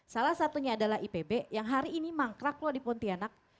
salah satunya adalah ipb yang hari ini mangkrak loh di pontianak